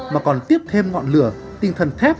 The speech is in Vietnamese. mà còn tiếp thêm ngọn lửa tinh thần thép